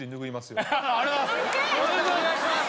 よろしくお願いします！